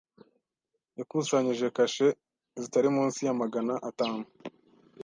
Yakusanyije kashe zitari munsi ya magana atanu.